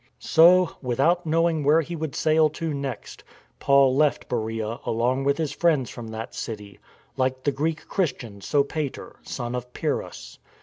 So, without knowing where he would sail to next, Paul left Beroea along with friends from that city, like the Greek Christian, Sopater, son of Pyrrhus.